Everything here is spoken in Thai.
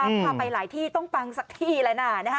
พาไปหลายที่ต้องปังสักที่แล้วนะ